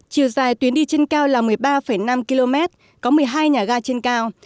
chiều dài tuyến đi trên cao là một mươi ba năm km có một mươi hai nhà ga trên cao